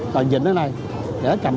rồi dịch nó đây để nó cầm